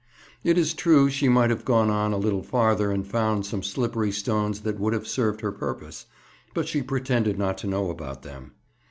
It is true she might have gone on a little farther and found some slippery stones that would have served her purpose, but she pretended not to know about them.